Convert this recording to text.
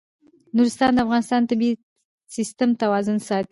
نورستان د افغانستان د طبعي سیسټم توازن ساتي.